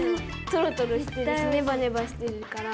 トロトロしてるしネバネバしてるから。